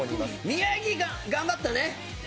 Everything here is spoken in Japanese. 宮城頑張ったね。